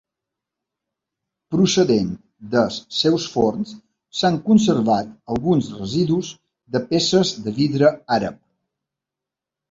Procedent dels seus forns, s'han conservat alguns residus de peces de vidre àrab.